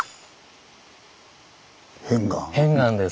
片岩です。